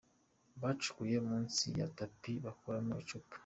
Bacukuye munsi ya tapi bakuramo icupa.